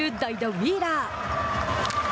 ウィーラー。